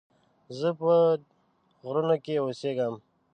زه په غرونو کې اوسيږم